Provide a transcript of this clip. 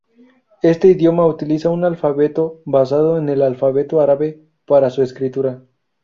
Este idioma utiliza un alfabeto basado en el alfabeto árabe para su escritura.